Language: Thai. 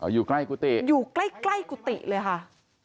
อยู่ใกล้กุฏิอยู่ใกล้ใกล้กุฏิเลยค่ะ